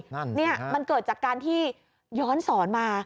นั่นเนี่ยมันเกิดจากการที่ย้อนสอนมา